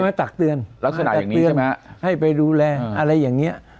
มาตักเตือนลักษณะอย่างนี้ใช่ไหมให้ไปดูแลอะไรอย่างเงี้ย